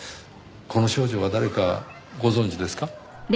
この少女が誰かご存じですか？